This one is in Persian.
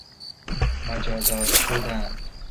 مجازات شدن